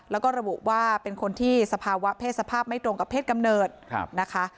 แล้วก็ระบุว่าเป็นคนที่สภาวะเพศสภาพไม่ตรงกับเพศกำเนิดนะคะ